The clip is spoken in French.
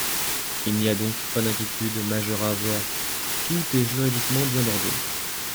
Il n’y a donc pas d’inquiétude majeure à avoir, tout est juridiquement bien bordé.